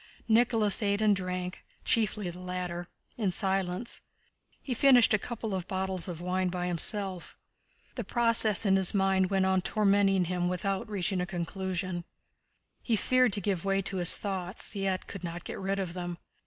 Nicholas ate and drank (chiefly the latter) in silence. He finished a couple of bottles of wine by himself. The process in his mind went on tormenting him without reaching a conclusion. He feared to give way to his thoughts, yet could not get rid of them.